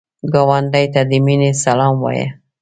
ګاونډي ته د مینې سلام وایه